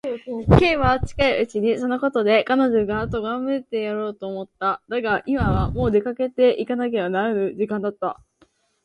Ｋ は近いうちにそのことで彼女をとがめてやろうと思った。だが、今はもう出かけていかねばならぬ時間だった。